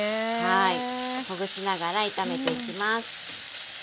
ほぐしながら炒めていきます。